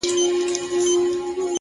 هر منزل له ثابت قدمۍ ترلاسه کېږي